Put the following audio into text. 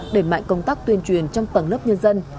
đẩy mạnh công tác tuyên truyền trong tầng lớp nhân dân